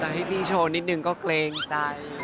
จากที่พี่โชว์นิดนึงก็เกรงใจ